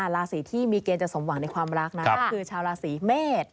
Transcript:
ราศีที่มีเกณฑ์จะสมหวังในความรักนะก็คือชาวราศีเมษ